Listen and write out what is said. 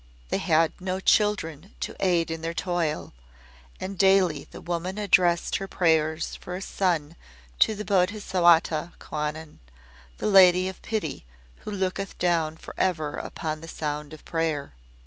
They had no children to aid in their toil, and daily the woman addressed her prayers for a son to the Bodhisattwa Kwannon, the Lady of Pity who looketh down for ever upon the sound of prayer.